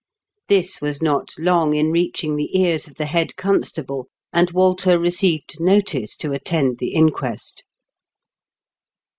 This was not long in reaching the ears of the head constable, and Walter received notice to attend the inquest.